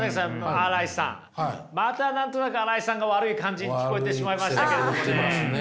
新井さんまた何となく新井さんが悪い感じに聞こえてしまいましたけれどもね。